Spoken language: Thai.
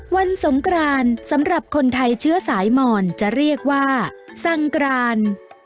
สงกรานสำหรับคนไทยเชื้อสายหมอนจะเรียกว่าสังกราน